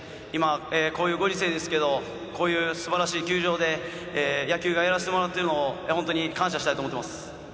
今、こういうご時世ですけどこういうすばらしい球場で野球をやらせてもらってるのを本当に感謝したいと思ってます。